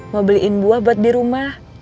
mau beliin buah buat di rumah